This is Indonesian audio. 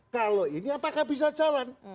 kalau ini apakah bisa jalan